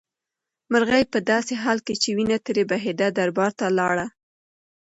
مرغۍ په داسې حال کې چې وینه ترې بهېده دربار ته لاړه.